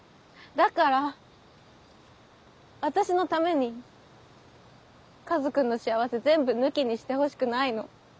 だから私のためにカズくんの幸せ全部抜きにしてほしくないの。